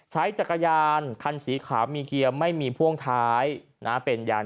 ใช้จักรยานคันสีขาวมีเกียร์ไม่มีพ่วงท้ายนะเป็นยาน